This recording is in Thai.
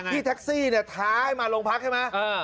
พี่แท็กซี่เนี่ยท้าให้มาโรงพักใช่ไหม